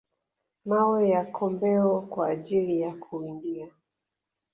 mawe ya kombeo kwa ajili ya kuwindia